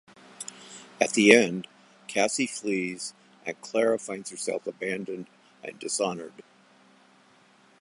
At the end, Cassi flees and Clara finds herself abandoned and "dishonored".